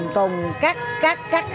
tùng cắt cắt cắt